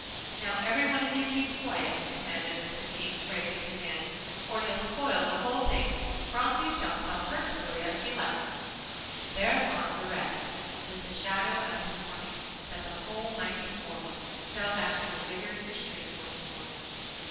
"Now, every one of you keep quiet," commanded Mr. King, raising his hand, "or you'll spoil the whole thing. Phronsie shall tell her story as she likes." Thereupon the rest, with the shadow of his warning that the whole might be spoiled, fell back to a vigorous restraint once more.